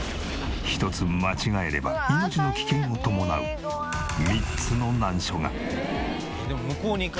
ひとつ間違えれば命の危険を伴う３つの難所が！